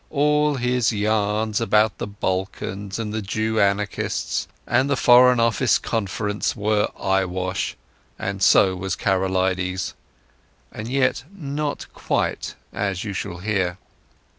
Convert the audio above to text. All his yarns about the Balkans and the Jew Anarchists and the Foreign Office Conference were eyewash, and so was Karolides. And yet not quite, as you shall hear.